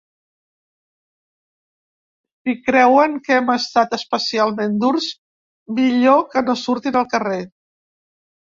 Si creuen que hem estat especialment durs, millor que no surtin al carrer.